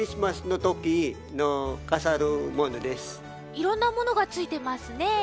いろんなものがついてますね。